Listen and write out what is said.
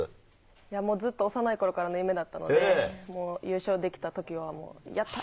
いやもう、ずっと幼いころからの夢だったので、優勝できたときは、もうやった！